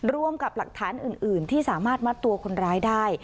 รวมกับหลักฐานอื่นที่สามารถมัดตัวคนร้ายได้